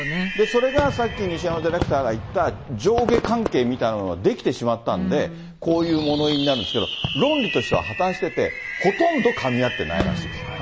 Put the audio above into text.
それがさっき、西山ディレクターが言った上下関係みたいなのが出来てしまったんで、こういう物言いになるんですけど、論理としては破綻してて、ほとんどかみ合ってないらしいです。